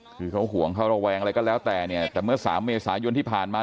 คือเขาห่วงเขาระแวงอะไรก็แล้วแต่เนี่ยแต่เมื่อสามเมษายนที่ผ่านมา